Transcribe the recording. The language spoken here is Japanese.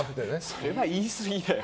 それは言い過ぎだよ。